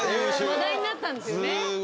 話題になったんですよね。